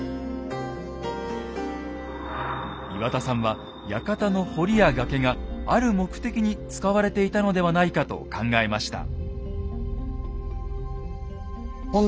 岩田さんは館の堀や崖がある目的に使われていたのではないかと考えました。